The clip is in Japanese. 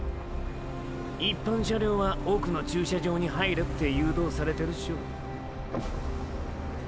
一般車両は奥の駐車場に入れって誘導されてるショ。